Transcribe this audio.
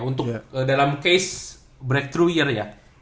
untuk dalam case breakthro year ya